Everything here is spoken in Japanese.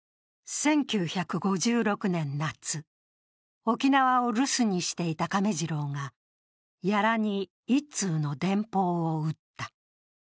１９５６年夏、沖縄を留守にしていた亀次郎に屋良に一通の電報を打った。